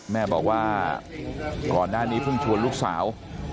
แม่บอกว่าก่อนหน้านี้เพิ่งชวนลูกสาว